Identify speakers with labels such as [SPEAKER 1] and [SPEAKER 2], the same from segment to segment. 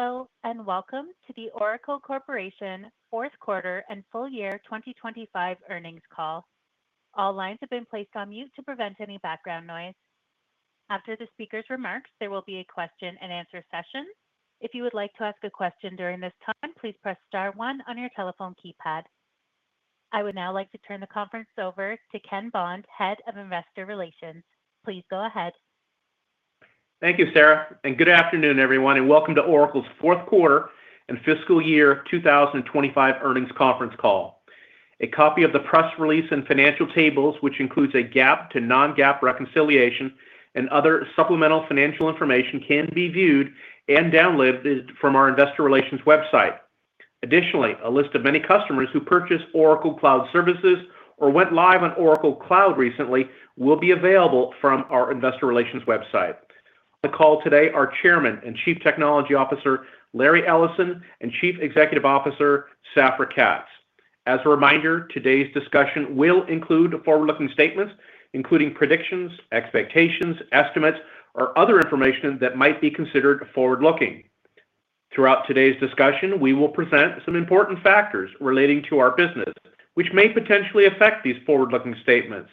[SPEAKER 1] Hello, and welcome to the Oracle Corporation Fourth Quarter and Full Year 2025 earnings call. All lines have been placed on mute to prevent any background noise. After the speaker's remarks, there will be a question-and-answer session. If you would like to ask a question during this time, please press *1 on your telephone keypad. I would now like to turn the conference over to Ken Bond, Head of Investor Relations. Please go ahead.
[SPEAKER 2] Thank you, Sarah. Good afternoon, everyone, and welcome to Oracle's Fourth Quarter and Full Year 2025 earnings conference call. A copy of the press release and financial tables, which includes a GAAP to non-GAAP reconciliation and other supplemental financial information, can be viewed and downloaded from our Investor Relations website. Additionally, a list of many customers who purchased Oracle Cloud services or went live on Oracle Cloud recently will be available from our Investor Relations website. On the call today are Chairman and Chief Technology Officer Larry Ellison and Chief Executive Officer Safra Catz. As a reminder, today's discussion will include forward-looking statements, including predictions, expectations, estimates, or other information that might be considered forward-looking. Throughout today's discussion, we will present some important factors relating to our business, which may potentially affect these forward-looking statements.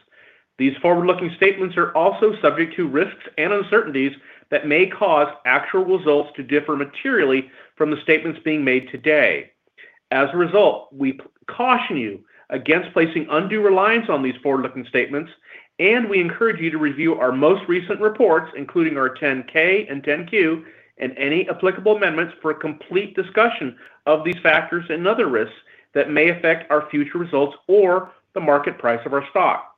[SPEAKER 2] These forward-looking statements are also subject to risks and uncertainties that may cause actual results to differ materially from the statements being made today. As a result, we caution you against placing undue reliance on these forward-looking statements, and we encourage you to review our most recent reports, including our 10-K and 10-Q, and any applicable amendments for a complete discussion of these factors and other risks that may affect our future results or the market price of our stock.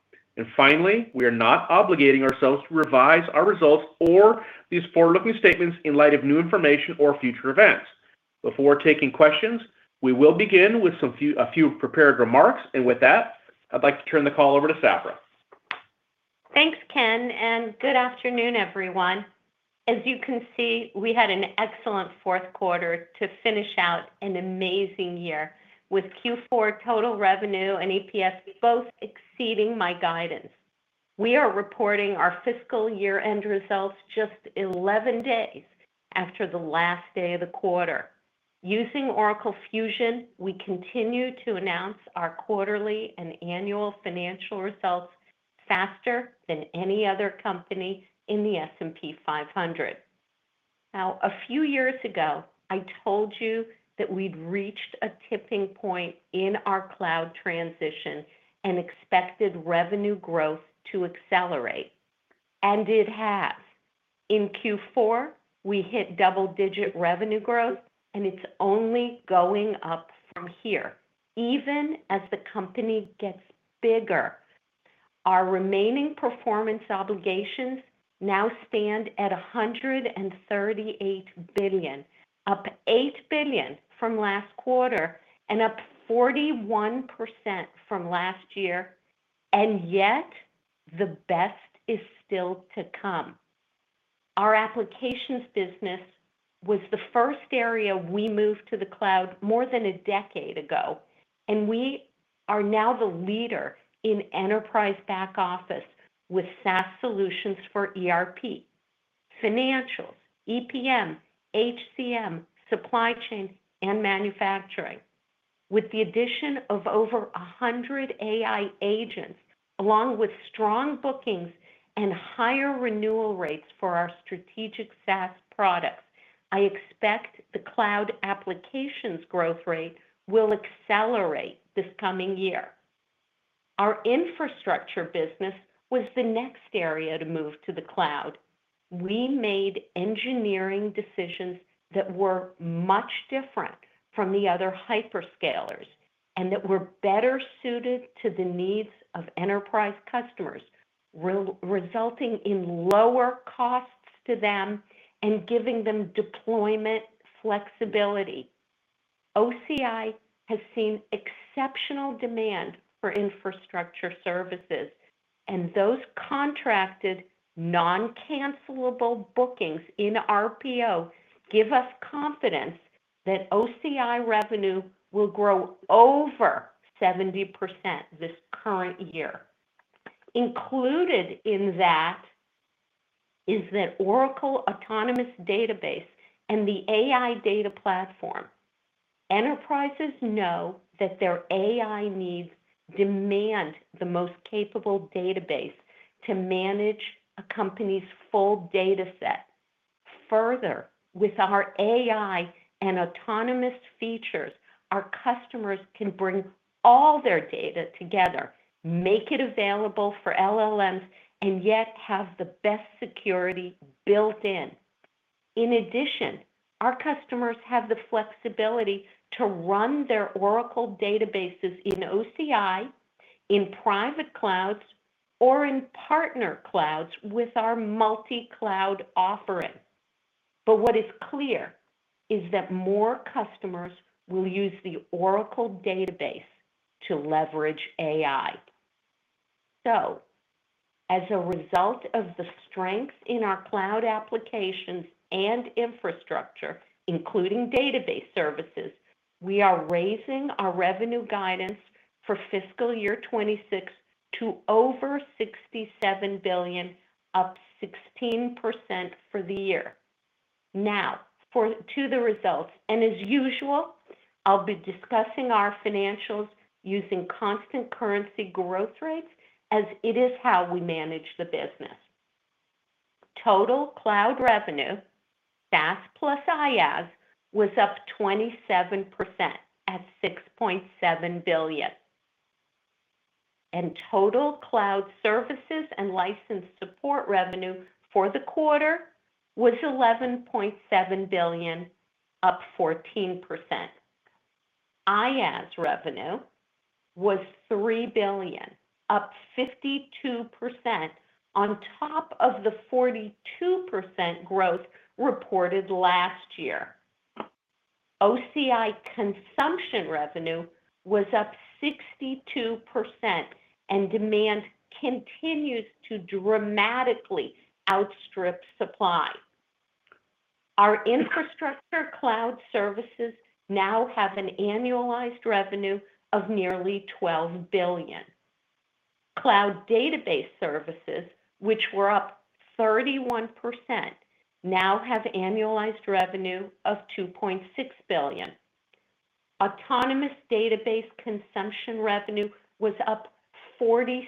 [SPEAKER 2] Finally, we are not obligating ourselves to revise our results or these forward-looking statements in light of new information or future events. Before taking questions, we will begin with a few prepared remarks. With that, I'd like to turn the call over to Safra.
[SPEAKER 3] Thanks, Ken. And good afternoon, everyone. As you can see, we had an excellent fourth quarter to finish out an amazing year with Q4 total revenue and EPS both exceeding my guidance. We are reporting our fiscal year-end results just 11 days after the last day of the quarter. Using Oracle Fusion, we continue to announce our quarterly and annual financial results faster than any other company in the S&P 500. Now, a few years ago, I told you that we'd reached a tipping point in our cloud transition and expected revenue growth to accelerate. And it has. In Q4, we hit double-digit revenue growth, and it's only going up from here, even as the company gets bigger. Our remaining performance obligations now stand at $138 billion, up $8 billion from last quarter and up 41% from last year. And yet, the best is still to come. Our applications business was the first area we moved to the cloud more than a decade ago, and we are now the leader in enterprise back office with SaaS solutions for ERP, financials, EPM, HCM, supply chain, and manufacturing. With the addition of over 100 AI agents, along with strong bookings and higher renewal rates for our strategic SaaS products, I expect the cloud applications growth rate will accelerate this coming year. Our infrastructure business was the next area to move to the cloud. We made engineering decisions that were much different from the other hyperscalers and that were better suited to the needs of enterprise customers, resulting in lower costs to them and giving them deployment flexibility. OCI has seen exceptional demand for infrastructure services, and those contracted, non-cancelable bookings in RPO give us confidence that OCI revenue will grow over 70% this current year. Included in that is the Oracle Autonomous Database and the AI Data Platform. Enterprises know that their AI needs demand the most capable database to manage a company's full data set. Further, with our AI and autonomous features, our customers can bring all their data together, make it available for LLMs, and yet have the best security built in. In addition, our customers have the flexibility to run their Oracle databases in OCI, in private clouds, or in partner clouds with our multi-cloud offering. What is clear is that more customers will use the Oracle database to leverage AI. As a result of the strength in our cloud applications and infrastructure, including database services, we are raising our revenue guidance for fiscal year 2026 to over $67 billion, up 16% for the year. Now, to the results. As usual, I'll be discussing our financials using constant currency growth rates, as it is how we manage the business. Total cloud revenue, SaaS plus IaaS, was up 27% at $6.7 billion. Total cloud services and license support revenue for the quarter was $11.7 billion, up 14%. IaaS revenue was $3 billion, up 52% on top of the 42% growth reported last year. OCI consumption revenue was up 62%, and demand continues to dramatically outstrip supply. Our infrastructure cloud services now have an annualized revenue of nearly $12 billion. Cloud database services, which were up 31%, now have annualized revenue of $2.6 billion. Autonomous Database consumption revenue was up 47%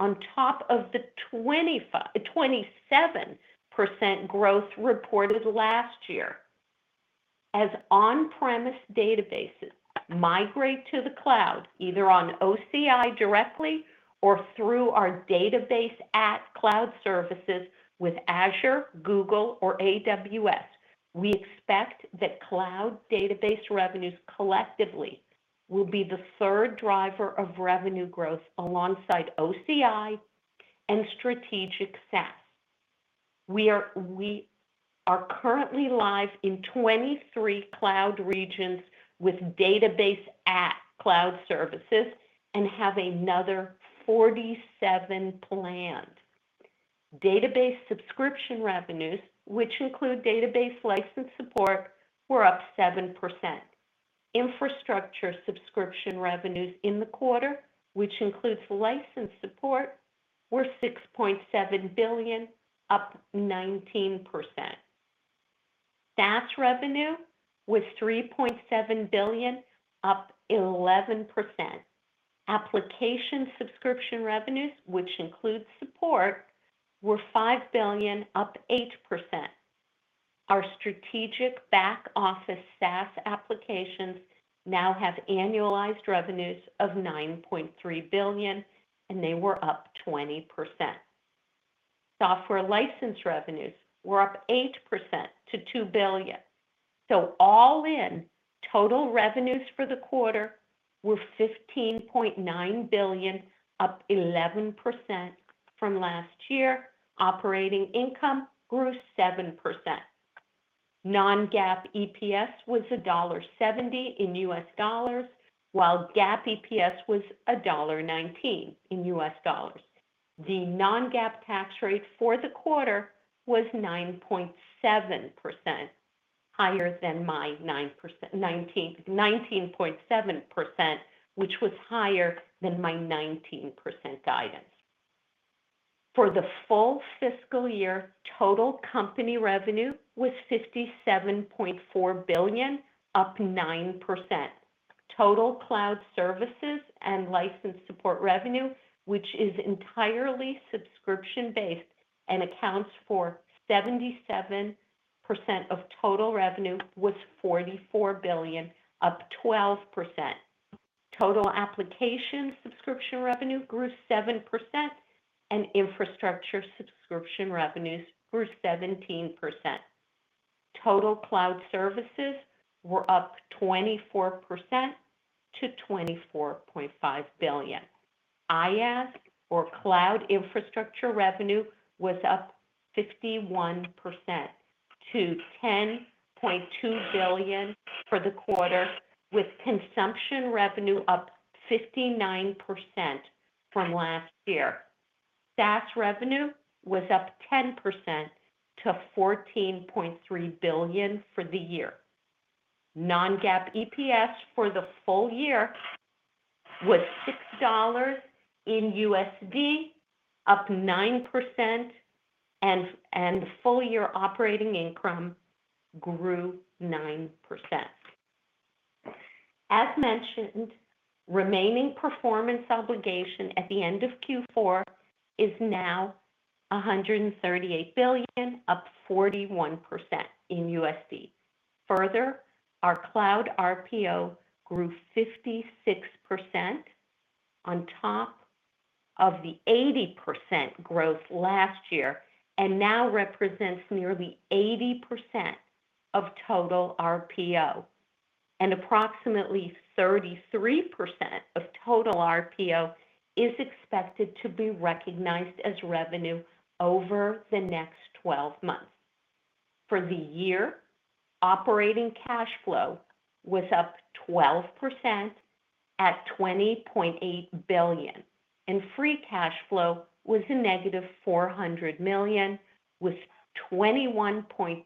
[SPEAKER 3] on top of the 27% growth reported last year. As on-premise databases migrate to the cloud, either on OCI directly or through our Database@ cloud services with Azure, Google, or AWS, we expect that cloud database revenues collectively will be the third driver of revenue growth alongside OCI and strategic SaaS. We are currently live in 23 cloud regions with Database@ cloud services and have another 47 planned. Database subscription revenues, which include database license support, were up 7%. Infrastructure subscription revenues in the quarter, which includes license support, were $6.7 billion, up 19%. SaaS revenue was $3.7 billion, up 11%. Application subscription revenues, which include support, were $5 billion, up 8%. Our strategic back office SaaS applications now have annualized revenues of $9.3 billion, and they were up 20%. Software license revenues were up 8% to $2 billion. All in, total revenues for the quarter were $15.9 billion, up 11% from last year. Operating income grew 7%. Non-GAAP EPS was $1.70 in U.S. dollars, while GAAP EPS was $1.19 in U.S. dollars. The non-GAAP tax rate for the quarter was 9.7%, higher than my 19.7%, which was higher than my 19% guidance. For the full fiscal year, total company revenue was $57.4 billion, up 9%. Total cloud services and license support revenue, which is entirely subscription-based and accounts for 77% of total revenue, was $44 billion, up 12%. Total application subscription revenue grew 7%, and infrastructure subscription revenues grew 17%. Total cloud services were up 24% to $24.5 billion. IaaS, or cloud infrastructure revenue, was up 51% to $10.2 billion for the quarter, with consumption revenue up 59% from last year. SaaS revenue was up 10% to $14.3 billion for the year. Non-GAAP EPS for the full year was $6 in USD, up 9%, and the full-year operating income grew 9%. As mentioned, remaining performance obligation at the end of Q4 is now $138 billion, up 41% in USD. Further, our cloud RPO grew 56% on top of the 80% growth last year and now represents nearly 80% of total RPO. Approximately 33% of total RPO is expected to be recognized as revenue over the next 12 months. For the year, operating cash flow was up 12% at $20.8 billion. Free cash flow was a negative $400 million, with $21.2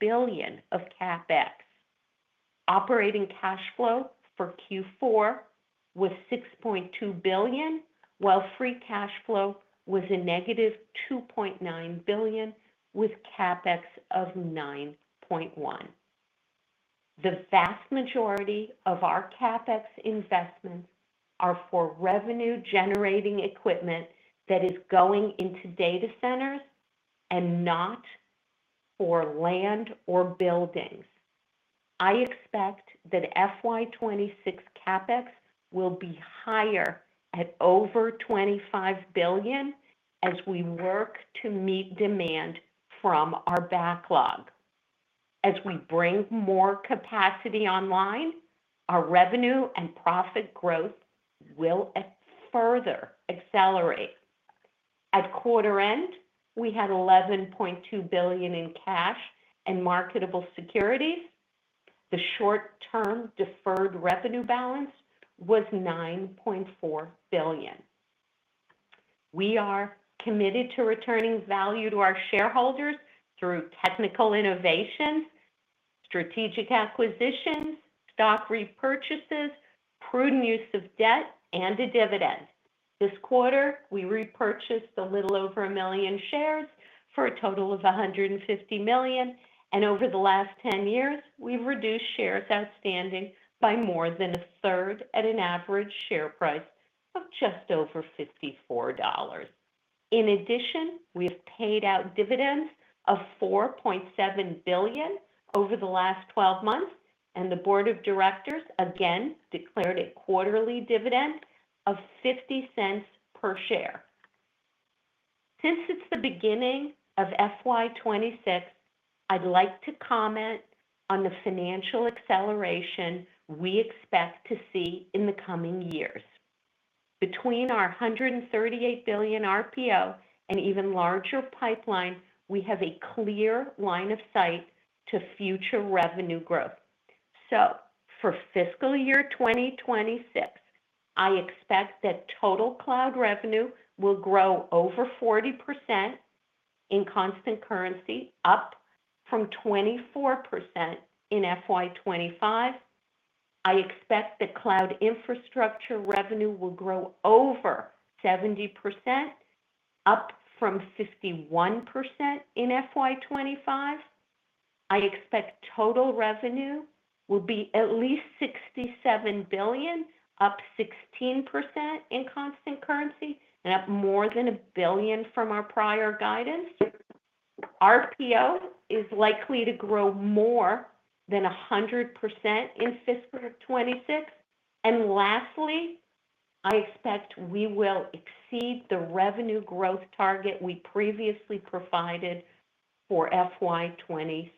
[SPEAKER 3] billion of CapEx. Operating cash flow for Q4 was $6.2 billion, while free cash flow was a negative $2.9 billion, with CapEx of $9.1 billion. The vast majority of our CapEx investments are for revenue-generating equipment that is going into data centers and not for land or buildings. I expect that FY2026 CapEx will be higher at over $25 billion as we work to meet demand from our backlog. As we bring more capacity online, our revenue and profit growth will further accelerate. At quarter end, we had $11.2 billion in cash and marketable securities. The short-term deferred revenue balance was $9.4 billion. We are committed to returning value to our shareholders through technical innovation, strategic acquisitions, stock repurchases, prudent use of debt, and a dividend. This quarter, we repurchased a little over a million shares for a total of $150 million. Over the last 10 years, we've reduced shares outstanding by more than a third at an average share price of just over $54. In addition, we have paid out dividends of $4.7 billion over the last 12 months, and the board of directors again declared a quarterly dividend of $0.50 per share. Since it's the beginning of FY2026, I'd like to comment on the financial acceleration we expect to see in the coming years. Between our $138 billion RPO and even larger pipeline, we have a clear line of sight to future revenue growth. For fiscal year 2026, I expect that total cloud revenue will grow over 40% in constant currency, up from 24% in FY25. I expect that cloud infrastructure revenue will grow over 70%, up from 51% in FY25. I expect total revenue will be at least $67 billion, up 16% in constant currency, and up more than a billion from our prior guidance. RPO is likely to grow more than 100% in fiscal year 2026. Lastly, I expect we will exceed the revenue growth target we previously provided for FY27.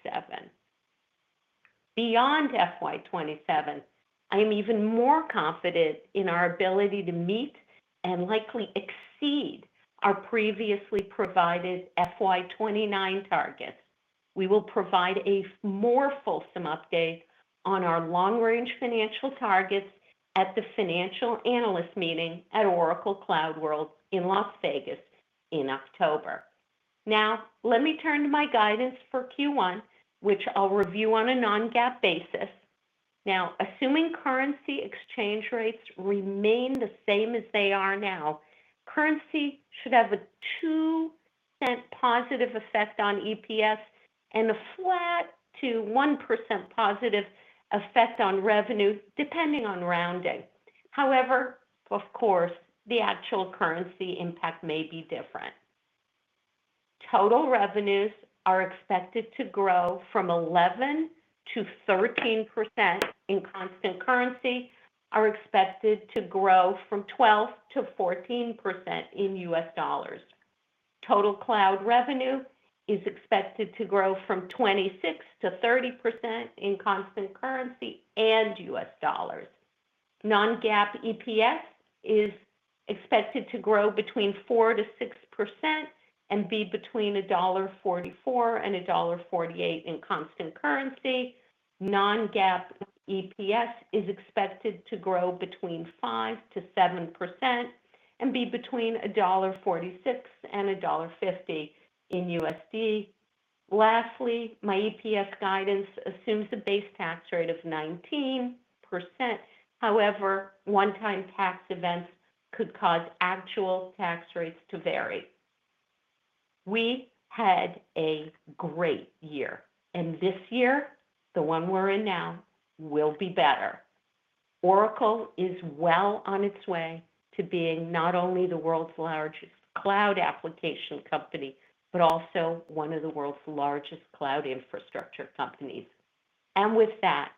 [SPEAKER 3] Beyond FY27, I am even more confident in our ability to meet and likely exceed our previously provided FY29 targets. We will provide a more fulsome update on our long-range financial targets at the financial analyst meeting at Oracle CloudWorld in Las Vegas in October. Now, let me turn to my guidance for Q1, which I'll review on a non-GAAP basis. Now, assuming currency exchange rates remain the same as they are now, currency should have a 2% positive effect on EPS and a flat to 1% positive effect on revenue, depending on rounding. However, of course, the actual currency impact may be different. Total revenues are expected to grow from 11% to 13% in constant currency. Are expected to grow from 12% to 14% in US dollars. Total cloud revenue is expected to grow from 26% to 30% in constant currency and U.S. dollars. Non-GAAP EPS is expected to grow between 4% to 6% and be between $1.44 and $1.48 in constant currency. Non-GAAP EPS is expected to grow between 5% to 7% and be between $1.46 and $1.50 in USD. Lastly, my EPS guidance assumes a base tax rate of 19%. However, one-time tax events could cause actual tax rates to vary. We had a great year. This year, the one we're in now, will be better. Oracle is well on its way to being not only the world's largest cloud application company, but also one of the world's largest cloud infrastructure companies. With that,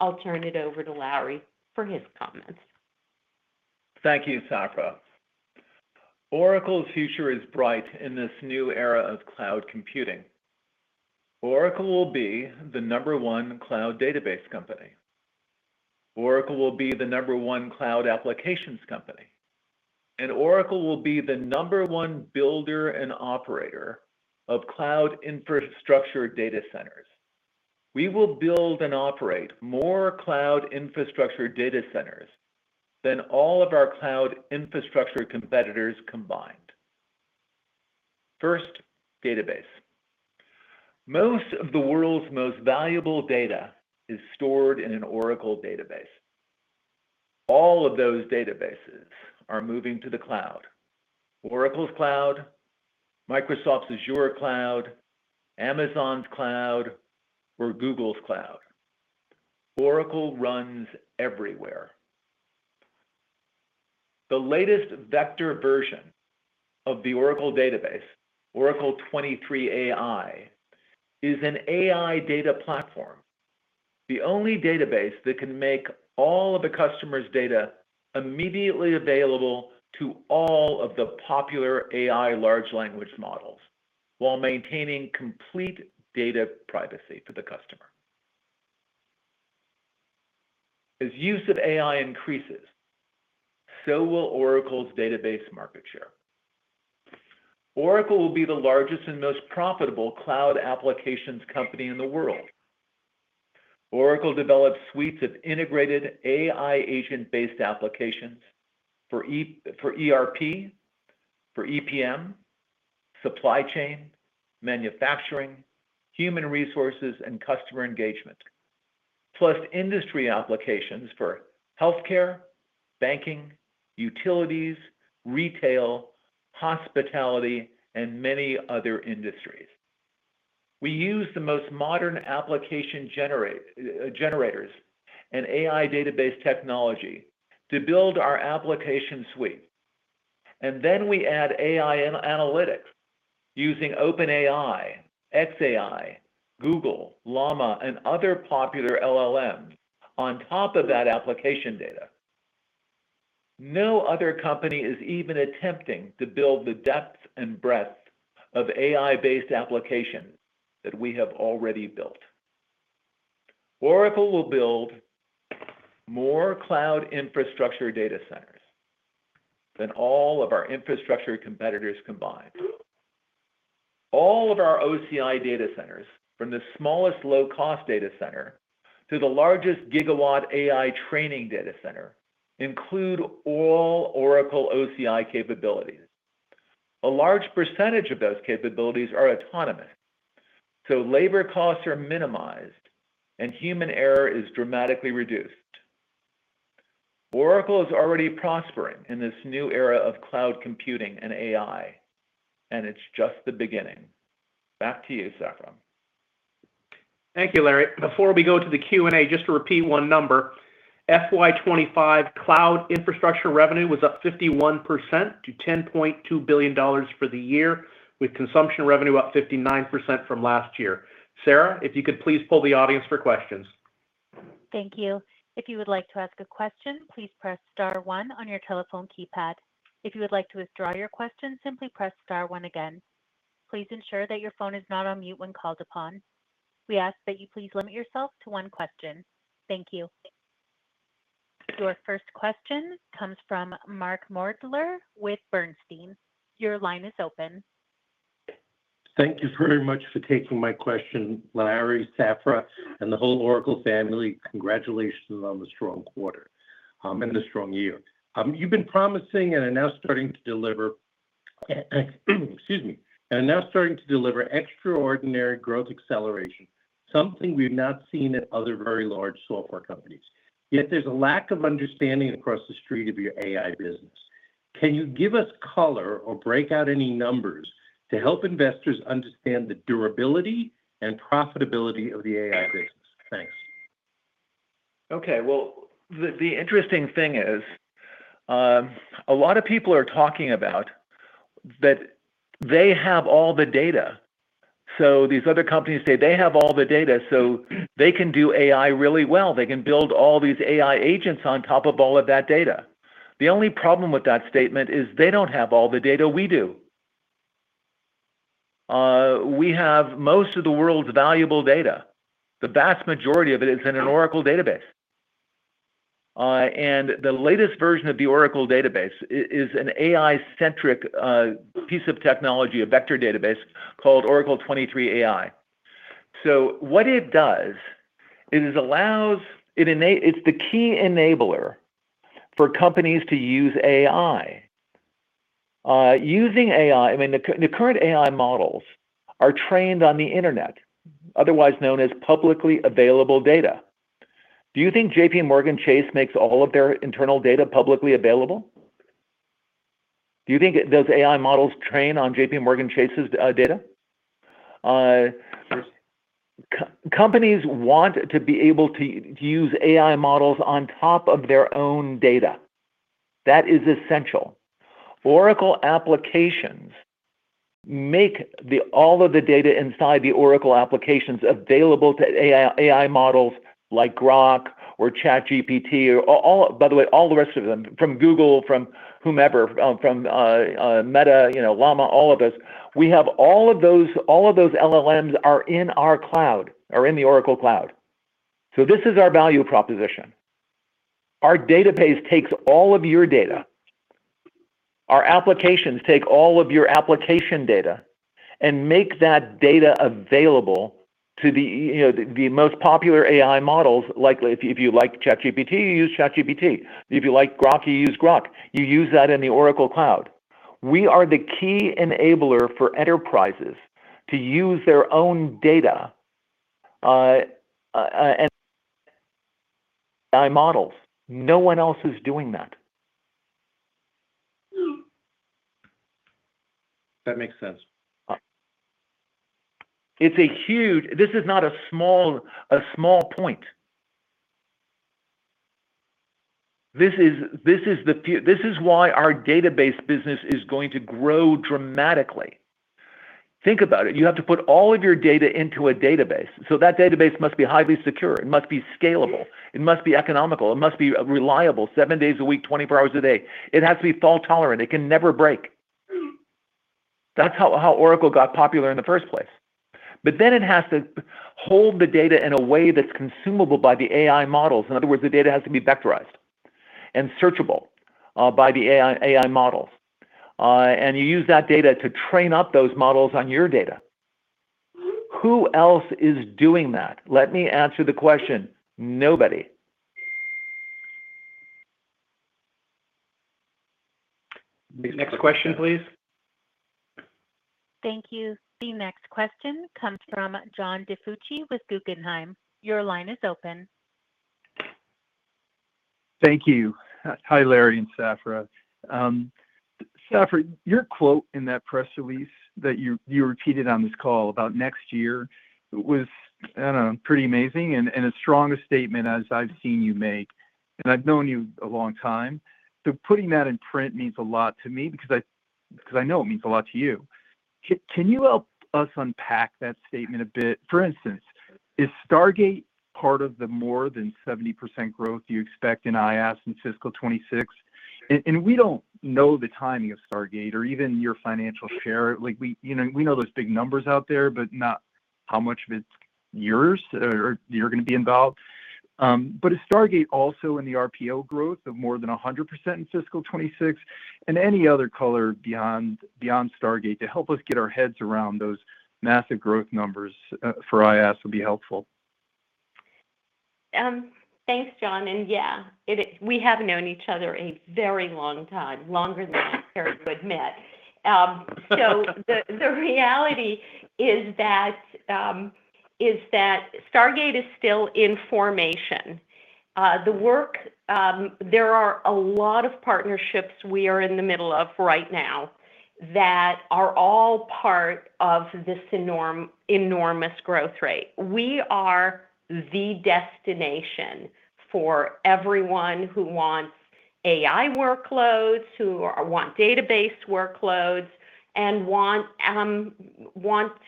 [SPEAKER 3] I'll turn it over to Larry for his comments.
[SPEAKER 4] Thank you, Safra. Oracle's future is bright in this new era of cloud computing. Oracle will be the number one cloud database company. Oracle will be the number one cloud applications company. Oracle will be the number one builder and operator of cloud infrastructure data centers. We will build and operate more cloud infrastructure data centers than all of our cloud infrastructure competitors combined. First, database. Most of the world's most valuable data is stored in an Oracle database. All of those databases are moving to the cloud: Oracle's cloud, Microsoft's Azure cloud, Amazon's cloud, or Google's cloud. Oracle runs everywhere. The latest vector version of the Oracle database, Oracle 23ai, is an AI Data Platform, the only database that can make all of the customer's data immediately available to all of the popular AI large language models while maintaining complete data privacy for the customer. As use of AI increases, so will Oracle's database market share. Oracle will be the largest and most profitable cloud applications company in the world. Oracle develops suites of integrated AI agent-based applications for ERP, for EPM, supply chain, manufacturing, human resources, and customer engagement, plus industry applications for healthcare, banking, utilities, retail, hospitality, and many other industries. We use the most modern application generators and AI database technology to build our application suite. We add AI analytics using OpenAI, xAI, Google, Llama, and other popular LLMs on top of that application data. No other company is even attempting to build the depth and breadth of AI-based applications that we have already built. Oracle will build more cloud infrastructure data centers than all of our infrastructure competitors combined. All of our OCI data centers, from the smallest low-cost data center to the largest gigawatt AI training data center, include all Oracle OCI capabilities. A large % of those capabilities are autonomous, so labor costs are minimized and human error is dramatically reduced. Oracle is already prospering in this new era of cloud computing and AI, and it's just the beginning. Back to you, Safra.
[SPEAKER 2] Thank you, Larry. Before we go to the Q&A, just to repeat one number: FY25 cloud infrastructure revenue was up 51% to $10.2 billion for the year, with consumption revenue up 59% from last year. Sarah, if you could please pull the audience for questions.
[SPEAKER 1] Thank you. If you would like to ask a question, please press *1 on your telephone keypad. If you would like to withdraw your question, simply press *1 again. Please ensure that your phone is not on mute when called upon. We ask that you please limit yourself to one question. Thank you. Your first question comes from Mark Moerdler with Bernstein. Your line is open.
[SPEAKER 5] Thank you very much for taking my question, Larry, Safra, and the whole Oracle family. Congratulations on the strong quarter and the strong year. You've been promising and are now starting to deliver, excuse me, and are now starting to deliver extraordinary growth acceleration, something we've not seen at other very large software companies. Yet there's a lack of understanding across the street of your AI business. Can you give us color or break out any numbers to help investors understand the durability and profitability of the AI business? Thanks.
[SPEAKER 4] Okay. The interesting thing is a lot of people are talking about that they have all the data. These other companies say they have all the data, so they can do AI really well. They can build all these AI agents on top of all of that data. The only problem with that statement is they don't have all the data we do. We have most of the world's valuable data. The vast majority of it is in an Oracle database. The latest version of the Oracle database is an AI-centric piece of technology, a vector database called Oracle 23ai. What it does is it's the key enabler for companies to use AI. Using AI, I mean, the current AI models are trained on the internet, otherwise known as publicly available data. Do you think JPMorgan Chase makes all of their internal data publicly available? Do you think those AI models train on JPMorgan Chase's data? Companies want to be able to use AI models on top of their own data. That is essential. Oracle applications make all of the data inside the Oracle applications available to AI models like Grok or ChatGPT, or by the way, all the rest of them, from Google, from whomever, from Meta, Llama, all of us. We have all of those LLMs are in our cloud or in the Oracle cloud. This is our value proposition. Our database takes all of your data. Our applications take all of your application data and make that data available to the most popular AI models. Like, if you like ChatGPT, you use ChatGPT. If you like Grok, you use Grok. You use that in the Oracle cloud. We are the key enabler for enterprises to use their own data and AI models. No one else is doing that. That makes sense. This is not a small point. This is why our database business is going to grow dramatically. Think about it. You have to put all of your data into a database. That database must be highly secure. It must be scalable. It must be economical. It must be reliable seven days a week, 24 hours a day. It has to be fault-tolerant. It can never break. That is how Oracle got popular in the first place. It has to hold the data in a way that is consumable by the AI models. In other words, the data has to be vectorized and searchable by the AI models. You use that data to train up those models on your data. Who else is doing that? Let me answer the question. Nobody.
[SPEAKER 2] Next question, please.
[SPEAKER 1] Thank you. The next question comes from John DiFucci with Guggenheim. Your line is open.
[SPEAKER 6] Thank you. Hi, Larry and Safra. Safra, your quote in that press release that you repeated on this call about next year was, I do not know, pretty amazing and as strong a statement as I have seen you make. I have known you a long time. Putting that in print means a lot to me because I know it means a lot to you. Can you help us unpack that statement a bit? For instance, is Stargate part of the more than 70% growth you expect in IaaS in fiscal 2026? We do not know the timing of Stargate or even your financial share. We know there are big numbers out there, but not how much of it is yours or you are going to be involved. Is Stargate also in the RPO growth of more than 100% in fiscal 2026? Any other color beyond Stargate to help us get our heads around those massive growth numbers for IaaS would be helpful.
[SPEAKER 3] Thanks, John. We have known each other a very long time, longer than I am scared to admit. The reality is that Stargate is still in formation. There are a lot of partnerships we are in the middle of right now that are all part of this enormous growth rate. We are the destination for everyone who wants AI workloads, who want database workloads, and want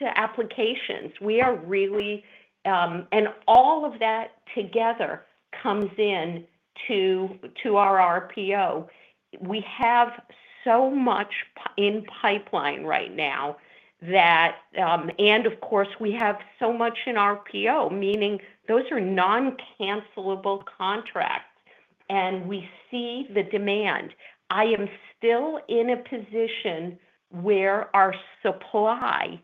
[SPEAKER 3] applications. We are really, and all of that together comes into our RPO. We have so much in pipeline right now. Of course, we have so much in RPO, meaning those are non-cancelable contracts. We see the demand. I am still in a position where our supply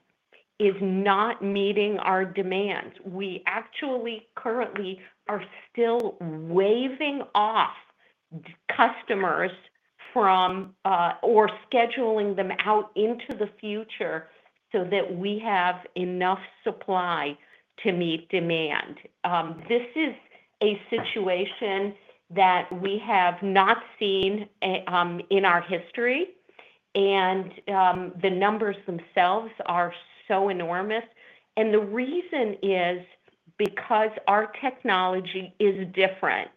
[SPEAKER 3] is not meeting our demands. We actually currently are still waiving off customers or scheduling them out into the future so that we have enough supply to meet demand. This is a situation that we have not seen in our history. The numbers themselves are so enormous. The reason is because our technology is different.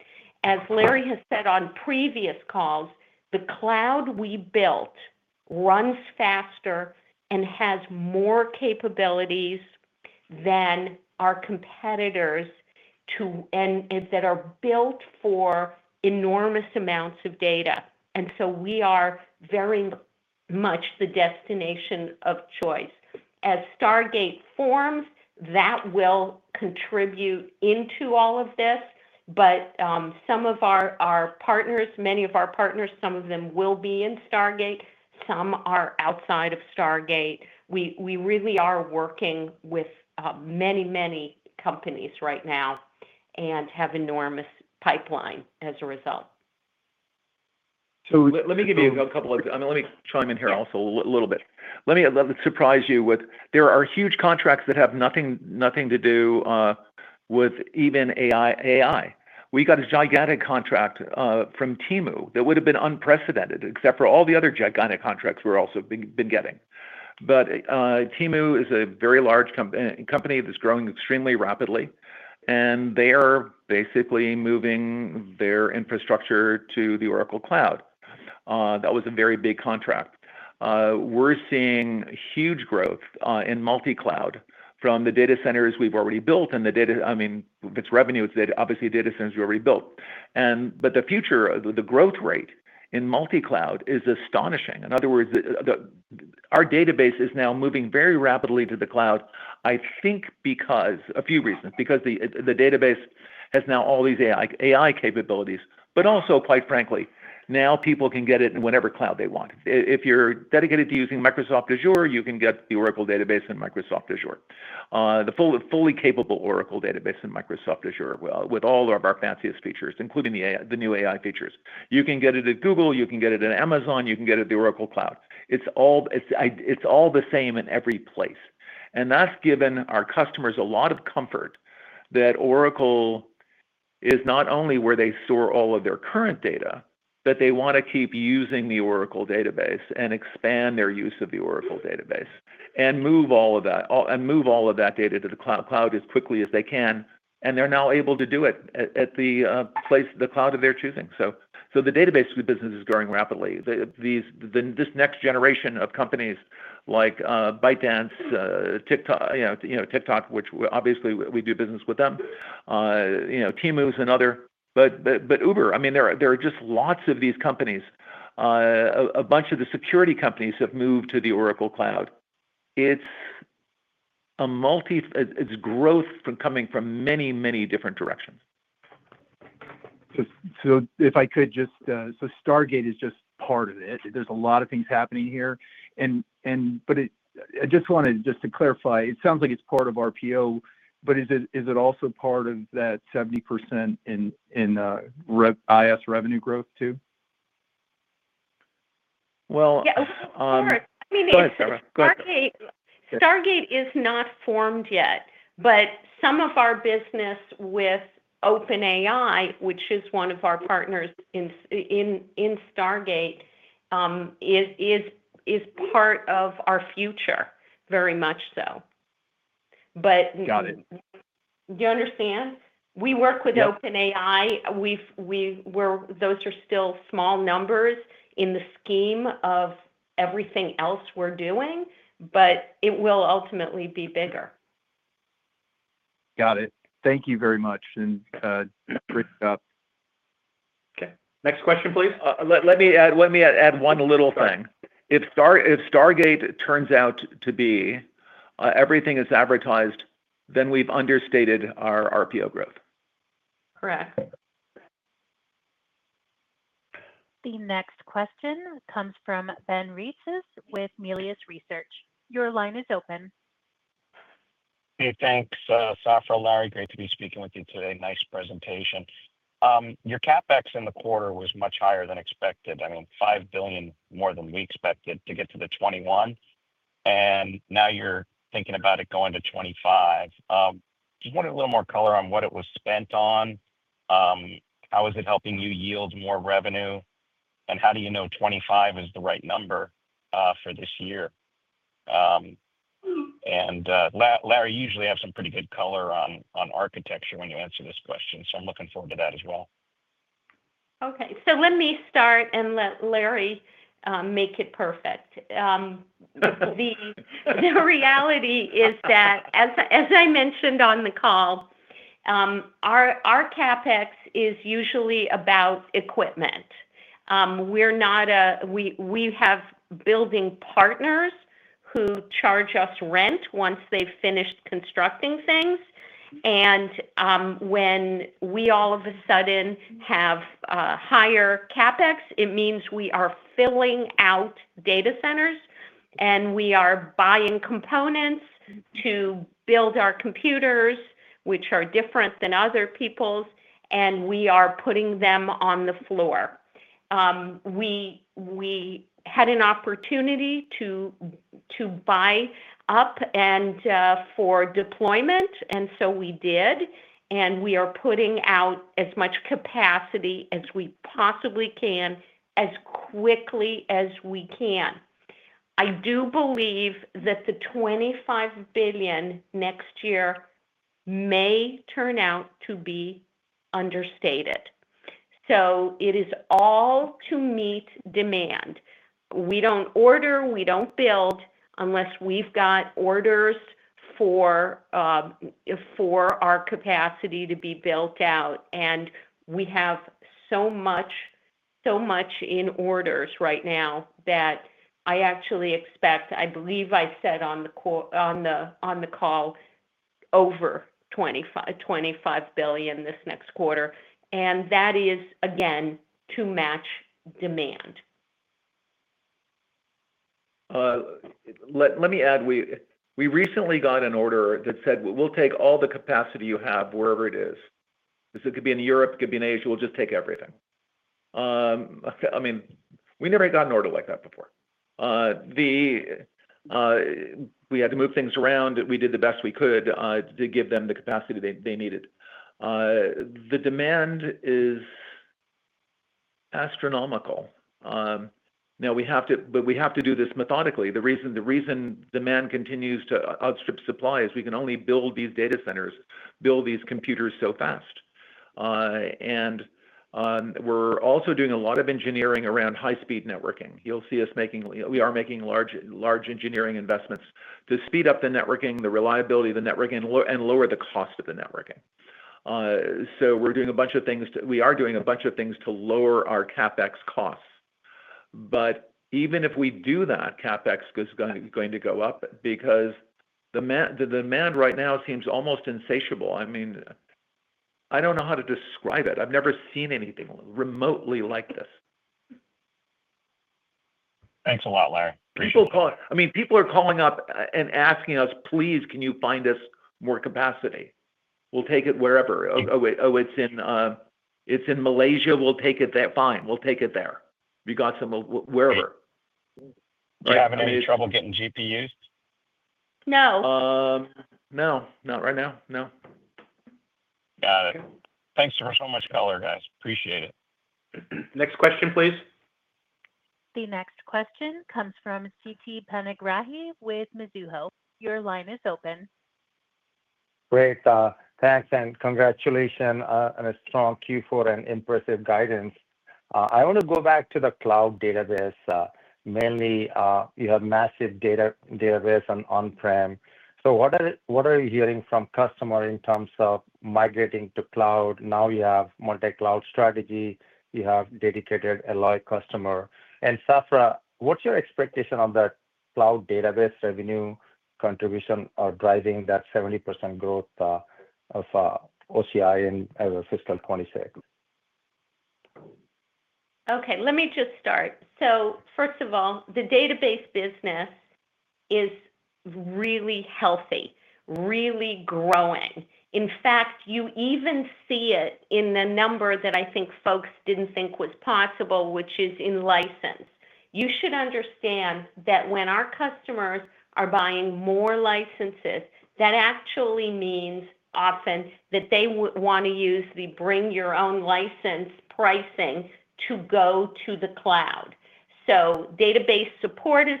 [SPEAKER 3] As Larry has said on previous calls, the cloud we built runs faster and has more capabilities than our competitors that are built for enormous amounts of data. We are very much the destination of choice. As Stargate forms, that will contribute into all of this. Some of our partners, many of our partners, some of them will be in Stargate. Some are outside of Stargate. We really are working with many, many companies right now and have enormous pipeline as a result.
[SPEAKER 4] Let me give you a couple of—let me chime in here also a little bit. Let me surprise you with—there are huge contracts that have nothing to do with even AI. We got a gigantic contract from Temu that would have been unprecedented, except for all the other gigantic contracts we've also been getting. Temu is a very large company that's growing extremely rapidly. They are basically moving their infrastructure to the Oracle cloud. That was a very big contract. We're seeing huge growth in multi-cloud from the data centers we've already built and the data—I mean, its revenue is obviously data centers we've already built. The future, the growth rate in multi-cloud is astonishing. In other words, our database is now moving very rapidly to the cloud, I think because a few reasons. Because the database has now all these AI capabilities, but also, quite frankly, now people can get it in whatever cloud they want. If you're dedicated to using Microsoft Azure, you can get the Oracle database in Microsoft Azure. The fully capable Oracle database in Microsoft Azure with all of our fanciest features, including the new AI features. You can get it at Google. You can get it at Amazon. You can get it at the Oracle cloud. It is all the same in every place. That has given our customers a lot of comfort that Oracle is not only where they store all of their current data, but they want to keep using the Oracle database and expand their use of the Oracle database and move all of that data to the cloud as quickly as they can. They are now able to do it at the cloud of their choosing. The database business is growing rapidly. This next generation of companies like ByteDance, TikTok, which obviously we do business with them, Temu's and others. Uber, I mean, there are just lots of these companies. A bunch of the security companies have moved to the Oracle cloud. It is growth coming from many, many different directions.
[SPEAKER 6] If I could just—Stargate is just part of it. There are a lot of things happening here. I just wanted to clarify. It sounds like it is part of RPO, but is it also part of that 70% in IaaS revenue growth too?
[SPEAKER 3] Yeah.
[SPEAKER 4] Sorry. I mean. Go ahead, Sarah. Go ahead.
[SPEAKER 3] Stargate is not formed yet. Some of our business with OpenAI, which is one of our partners in Stargate, is part of our future, very much so. Got it. Do you understand? We work with OpenAI. Those are still small numbers in the scheme of everything else we are doing, but it will ultimately be bigger.
[SPEAKER 6] Got it. Thank you very much and great job.
[SPEAKER 2] Okay. Next question, please.
[SPEAKER 4] Let me add one little thing. If Stargate turns out to be everything it is advertised, then we have understated our RPO growth.
[SPEAKER 3] Correct.
[SPEAKER 1] The next question comes from Ben Reitzes with Melius Research. Your line is open.
[SPEAKER 7] Hey, thanks, Safra and Larry. Great to be speaking with you today. Nice presentation. Your CapEx in the quarter was much higher than expected. I mean, $5 billion more than we expected to get to the $21 billion. And now you're thinking about it going to $25 billion. Just wanted a little more color on what it was spent on. How is it helping you yield more revenue? And how do you know $25 billion is the right number for this year? Larry usually has some pretty good color on architecture when you answer this question. I'm looking forward to that as well.
[SPEAKER 3] Okay. Let me start and let Larry make it perfect. The reality is that, as I mentioned on the call, our CapEx is usually about equipment. We have building partners who charge us rent once they've finished constructing things. When we all of a sudden have higher CapEx, it means we are filling out data centers. We are buying components to build our computers, which are different than other people's. We are putting them on the floor. We had an opportunity to buy up and for deployment. We did. We are putting out as much capacity as we possibly can as quickly as we can. I do believe that the $25 billion next year may turn out to be understated. It is all to meet demand. We do not order. We do not build unless we have orders for our capacity to be built out. We have so much in orders right now that I actually expect—I believe I said on the call—over $25 billion this next quarter. That is, again, to match demand.
[SPEAKER 4] Let me add, we recently got an order that said, "We'll take all the capacity you have wherever it is." This could be in Europe. It could be in Asia. We'll just take everything. I mean, we never got an order like that before. We had to move things around. We did the best we could to give them the capacity they needed. The demand is astronomical. Now, we have to do this methodically. The reason demand continues to outstrip supply is we can only build these data centers, build these computers so fast. We are also doing a lot of engineering around high-speed networking. You'll see us making—we are making large engineering investments to speed up the networking, the reliability of the networking, and lower the cost of the networking. We're doing a bunch of things—we are doing a bunch of things to lower our CapEx costs. Even if we do that, CapEx is going to go up because the demand right now seems almost insatiable. I mean, I don't know how to describe it. I've never seen anything remotely like this.
[SPEAKER 7] Thanks a lot, Larry. Appreciate it.
[SPEAKER 4] I mean, people are calling up and asking us, "Please, can you find us more capacity? We'll take it wherever." "Oh, it's in Malaysia. We'll take it there." "Fine. We'll take it there." "We got some wherever."
[SPEAKER 7] Do you have any trouble getting GPUs?
[SPEAKER 3] No.
[SPEAKER 4] No. Not right now. No.
[SPEAKER 7] Got it. Thanks for so much color, guys. Appreciate it.
[SPEAKER 2] Next question, please.
[SPEAKER 1] The next question comes from Siti Panigrahi with Mizuho. Your line is open.
[SPEAKER 8] Great. Thanks. And congratulations and a strong Q4 and impressive guidance. I want to go back to the cloud database. Mainly, you have massive database and on-prem. What are you hearing from customers in terms of migrating to cloud? Now you have multi-cloud strategy. You have dedicated Alloy customer. Safra, what's your expectation on the cloud database revenue contribution or driving that 70% growth of OCI in fiscal 2026?
[SPEAKER 3] Okay. Let me just start. First of all, the database business is really healthy, really growing. In fact, you even see it in the number that I think folks did not think was possible, which is in license. You should understand that when our customers are buying more licenses, that actually means often that they want to use the bring-your-own-license pricing to go to the cloud. Database support is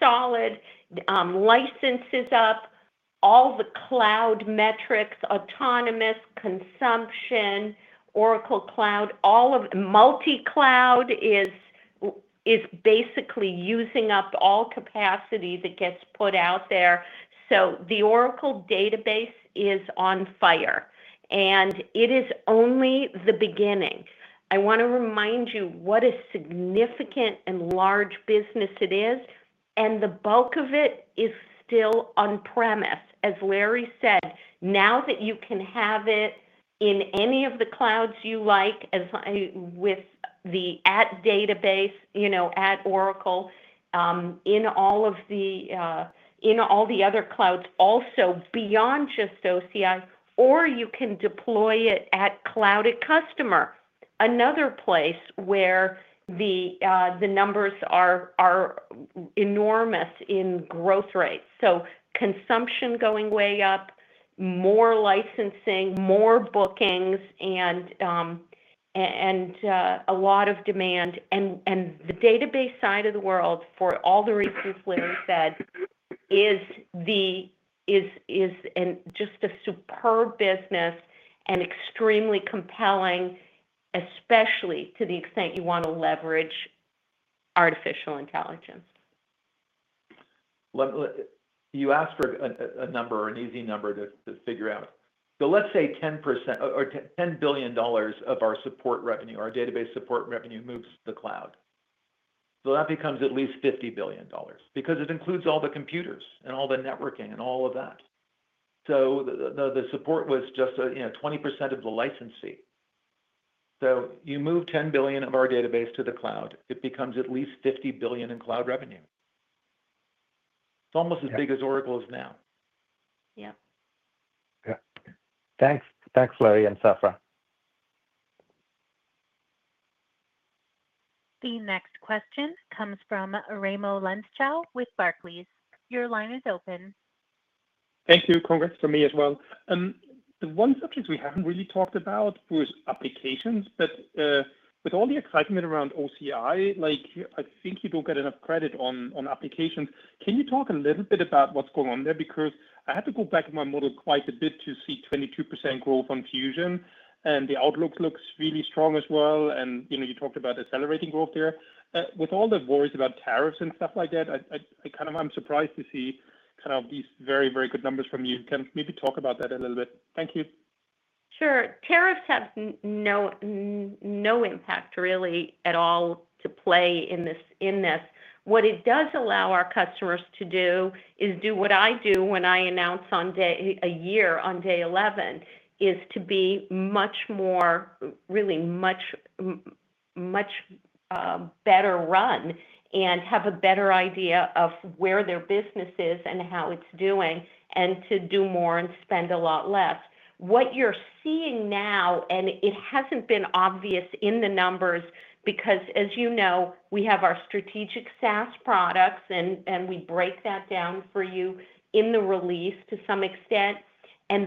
[SPEAKER 3] solid. Licenses up. All the cloud metrics, autonomous consumption, Oracle Cloud, all of multi-cloud is basically using up all capacity that gets put out there. The Oracle database is on fire. It is only the beginning. I want to remind you what a significant and large business it is. The bulk of it is still on-premise. As Larry said, now that you can have it in any of the clouds you like with the database, at Oracle, in all the other clouds also beyond just OCI, or you can deploy it at Cloud@Customer, another place where the numbers are enormous in growth rates. Consumption going way up, more licensing, more bookings, and a lot of demand. The database side of the world, for all the reasons Larry said, is just a superb business and extremely compelling, especially to the extent you want to leverage artificial intelligence.
[SPEAKER 4] You asked for a number, an easy number to figure out. Let's say $10 billion of our support revenue, our database support revenue, moves to the cloud. That becomes at least $50 billion because it includes all the computers and all the networking and all of that. The support was just 20% of the license fee. You move $10 billion of our database to the cloud, it becomes at least $50 billion in cloud revenue. It's almost as big as Oracle is now.
[SPEAKER 3] Yep.
[SPEAKER 8] Yeah. Thanks, Larry and Safra.
[SPEAKER 1] The next question comes from Raimo Lenschow with Barclays. Your line is open.
[SPEAKER 9] Thank you. Congrats for me as well. The one subject we have not really talked about was applications. With all the excitement around OCI, I think you do not get enough credit on applications. Can you talk a little bit about what is going on there? I had to go back in my model quite a bit to see 22% growth on Fusion. The outlook looks really strong as well. You talked about accelerating growth there. With all the worries about tariffs and stuff like that, I am kind of surprised to see these very, very good numbers from you. Can you maybe talk about that a little bit? Thank you.
[SPEAKER 3] Sure. Tariffs have no impact really at all to play in this. What it does allow our customers to do is do what I do when I announce a year on day 11, is to be much more, really much better run and have a better idea of where their business is and how it's doing and to do more and spend a lot less. What you're seeing now, and it hasn't been obvious in the numbers because, as you know, we have our strategic SaaS products, and we break that down for you in the release to some extent.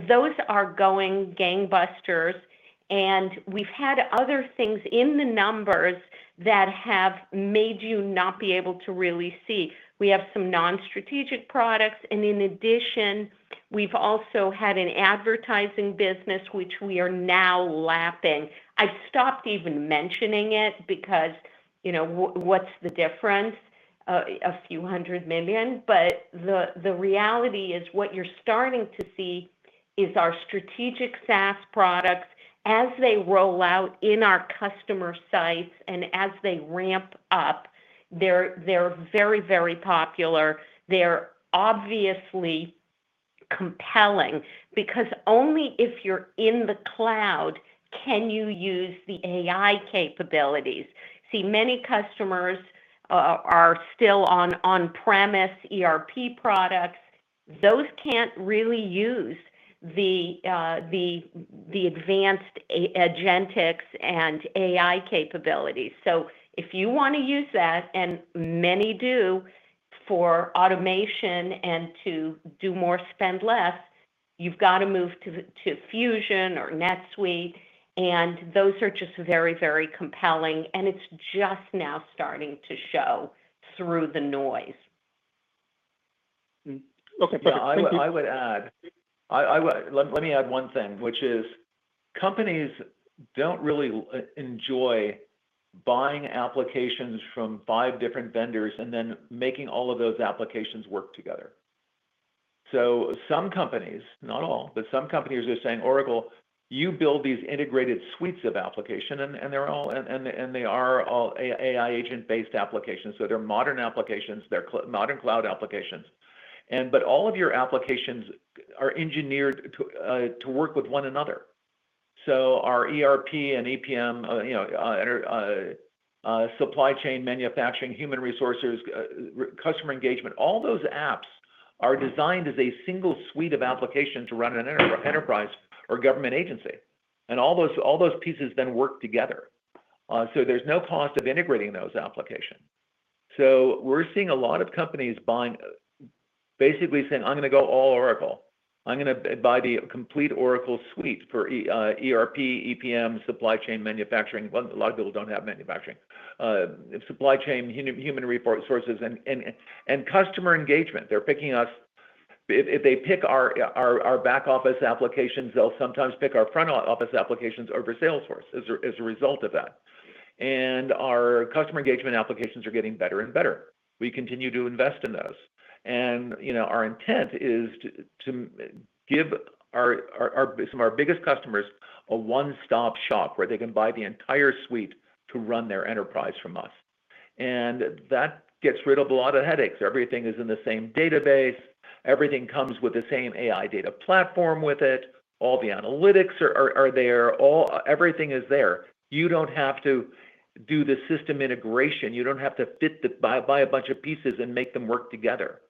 [SPEAKER 3] Those are going gangbusters. We've had other things in the numbers that have made you not be able to really see. We have some non-strategic products. In addition, we've also had an advertising business, which we are now lapping. I've stopped even mentioning it because what's the difference? A few hundred million. The reality is what you're starting to see is our strategic SaaS products as they roll out in our customer sites and as they ramp up. They're very, very popular. They're obviously compelling because only if you're in the cloud can you use the AI capabilities. Many customers are still on-premise ERP products. Those can't really use the advanced agentics and AI capabilities. If you want to use that, and many do for automation and to do more spend less, you've got to move to Fusion or NetSuite. Those are just very, very compelling. It's just now starting to show through the noise.
[SPEAKER 9] Okay.
[SPEAKER 4] I would add, let me add one thing, which is companies do not really enjoy buying applications from five different vendors and then making all of those applications work together. Some companies, not all, but some companies are saying, "Oracle, you build these integrated suites of applications." They are all AI agent-based applications. They are modern applications. They are modern cloud applications. All of your applications are engineered to work with one another. Our ERP and EPM, supply chain, manufacturing, human resources, customer engagement, all those apps are designed as a single suite of applications to run an enterprise or government agency. All those pieces then work together. There is no cost of integrating those applications. We are seeing a lot of companies basically saying, "I'm going to go all Oracle. I'm going to buy the complete Oracle suite for ERP, EPM, supply chain, manufacturing." A lot of people do not have manufacturing. Supply chain, human resources, and customer engagement. They are picking us. If they pick our back office applications, they'll sometimes pick our front office applications over Salesforce as a result of that. Our customer engagement applications are getting better and better. We continue to invest in those. Our intent is to give some of our biggest customers a one-stop shop where they can buy the entire suite to run their enterprise from us. That gets rid of a lot of headaches. Everything is in the same database. Everything comes with the same AI Data Platform with it. All the analytics are there. Everything is there. You don't have to do the system integration. You don't have to buy a bunch of pieces and make them work together.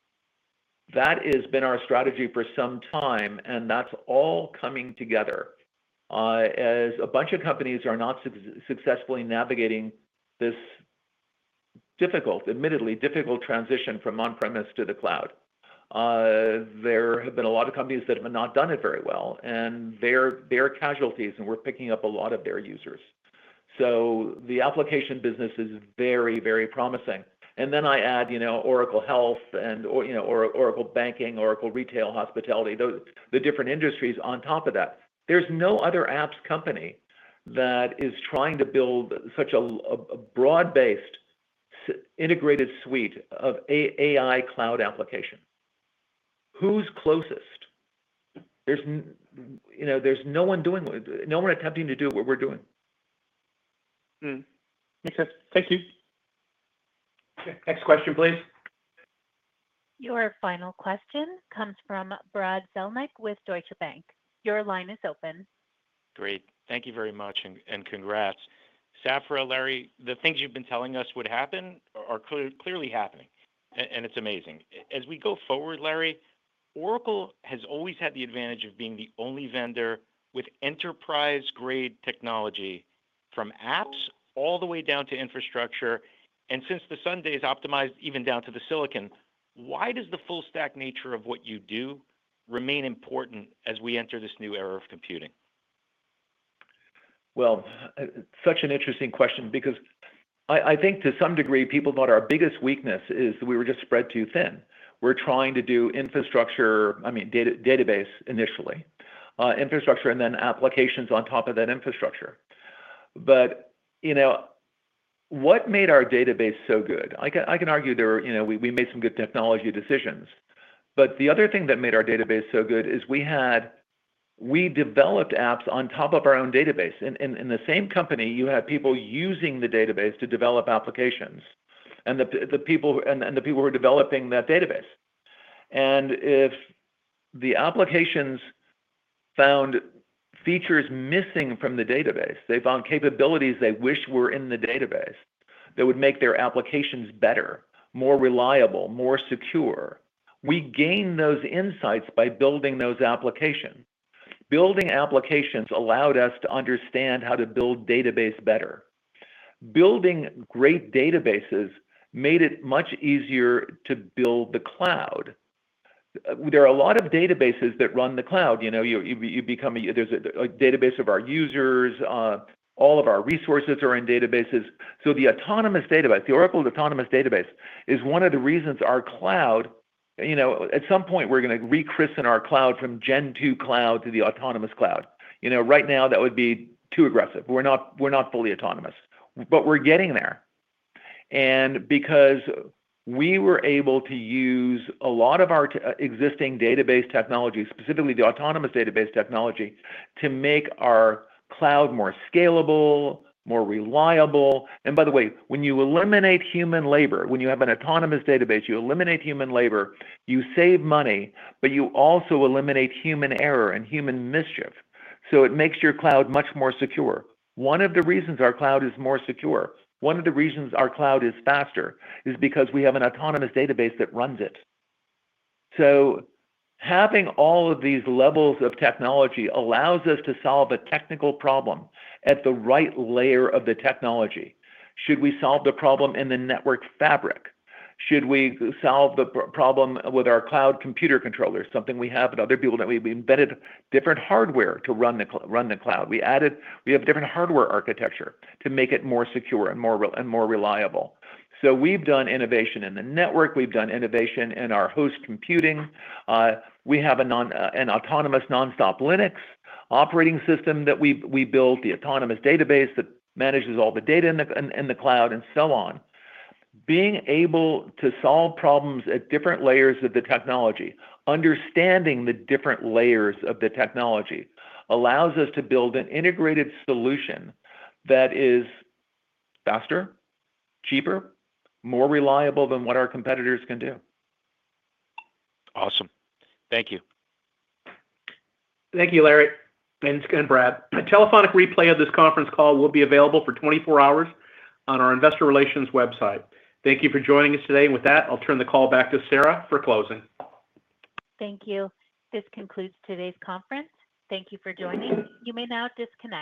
[SPEAKER 4] That has been our strategy for some time. That is all coming together as a bunch of companies are not successfully navigating this difficult, admittedly difficult transition from on-premise to the cloud. There have been a lot of companies that have not done it very well. They are casualties. We are picking up a lot of their users. The application business is very, very promising. Then I add Oracle Health and Oracle Banking, Oracle Retail, Hospitality, the different industries on top of that. There is no other apps company that is trying to build such a broad-based integrated suite of AI cloud application. Who is closest? There is no one attempting to do what we are doing.
[SPEAKER 9] Okay. Thank you.
[SPEAKER 2] Next question, please.
[SPEAKER 1] Your final question comes from Brad Zelnick with Deutsche Bank. Your line is open. Great.
[SPEAKER 10] Thank you very much. Congrats. Safra, Larry, the things you have been telling us would happen are clearly happening. It is amazing. As we go forward, Larry, Oracle has always had the advantage of being the only vendor with enterprise-grade technology from apps all the way down to infrastructure. Since the Sun days optimized even down to the silicon, why does the full-stack nature of what you do remain important as we enter this new era of computing?
[SPEAKER 4] Such an interesting question because I think to some degree, people thought our biggest weakness is that we were just spread too thin. We're trying to do infrastructure, I mean, database initially, infrastructure, and then applications on top of that infrastructure. What made our database so good? I can argue we made some good technology decisions. The other thing that made our database so good is we developed apps on top of our own database. In the same company, you had people using the database to develop applications and the people who were developing that database. If the applications found features missing from the database, they found capabilities they wish were in the database that would make their applications better, more reliable, more secure, we gained those insights by building those applications. Building applications allowed us to understand how to build database better. Building great databases made it much easier to build the cloud. There are a lot of databases that run the cloud. You become a database of our users. All of our resources are in databases. The Oracle Autonomous Database is one of the reasons our cloud, at some point, we're going to rechristen our cloud from Gen 2 Cloud to the Autonomous Cloud. Right now, that would be too aggressive. We're not fully autonomous. We're getting there. Because we were able to use a lot of our existing database technology, specifically the Autonomous Database technology, to make our cloud more scalable, more reliable. By the way, when you eliminate human labor, when you have an Autonomous Database, you eliminate human labor, you save money, but you also eliminate human error and human mischief. It makes your cloud much more secure. One of the reasons our cloud is more secure, one of the reasons our cloud is faster, is because we have an Autonomous Database that runs it. Having all of these levels of technology allows us to solve a technical problem at the right layer of the technology. Should we solve the problem in the network fabric? Should we solve the problem with our cloud computer controllers, something we have with other people that we've embedded different hardware to run the cloud? We have different hardware architecture to make it more secure and more reliable. We have done innovation in the network. We have done innovation in our host computing. We have an autonomous nonstop Linux operating system that we built, the Autonomous Database that manages all the data in the cloud, and so on. Being able to solve problems at different layers of the technology, understanding the different layers of the technology, allows us to build an integrated solution that is faster, cheaper, more reliable than what our competitors can do.
[SPEAKER 10] Awesome. Thank you. Thank you, Larry, Vince, and Brad. A telephonic replay of this conference call will be available for 24 hours on our investor relations website. Thank you for joining us today. With that, I will turn the call back to Sarah for closing.
[SPEAKER 1] Thank you. This concludes today's conference. Thank you for joining. You may now disconnect.